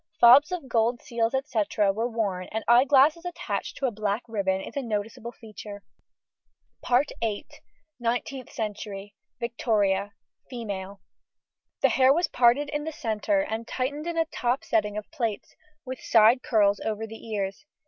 Fobs of gold seals, &c., were worn, and eye glasses attached to a black ribbon is a noticeable feature. NINETEENTH CENTURY. VICTORIA. FEMALE. The hair was parted in the centre and tightened in a top setting of plaits, with side curls over the ears.